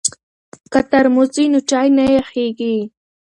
که ترموز وي نو چای نه یخیږي.